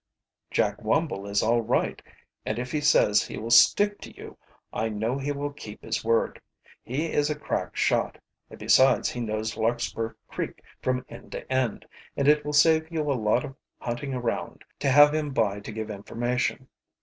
"Jack Wumble is all right, and if he says he will stick to you I know he will keep his word. He is a crack shot, and besides he knows Larkspur Creek from end to end, and it will save you a lot of hunting around to have him by to give information."